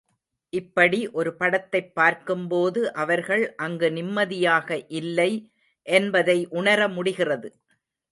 இப்படி ஒரு படத்தைப் பார்க்கும்போது அவர்கள் அங்கு நிம்மதியாக இல்லை என்பதை உணர முடிகிறது.